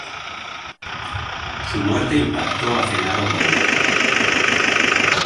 Su muerte impactó a Genaro Moreno.